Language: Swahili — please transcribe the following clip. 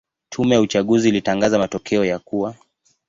Tume ya uchaguzi ilitangaza matokeo ya kuwa